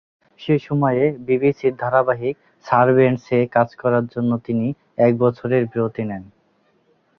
সে সময়ে বিবিসির ধারাবাহিক "সারভেন্টস"-এ কাজ করার জন্য তিনি এক বছরের বিরতি নেন।